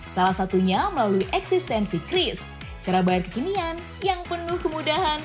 salah satunya melalui eksistensi kris cara bayar kekinian yang penuh kemudahan